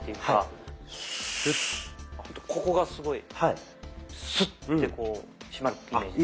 ここがすごいスッてこう締まるイメージです。